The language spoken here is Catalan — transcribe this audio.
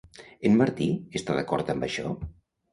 En Martí està d'acord amb això?